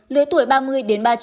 lứa tuổi ba mươi ba mươi chín là ba